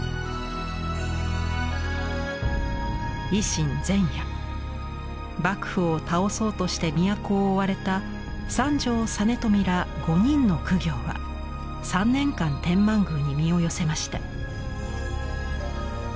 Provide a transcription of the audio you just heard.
維新前夜幕府を倒そうとして都を追われた三条実美ら５人の公卿は３年間天満宮に身を寄せました。